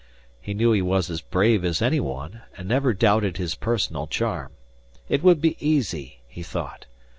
He knew he was as brave as any one and never doubted his personal charm. It would be easy, he thought.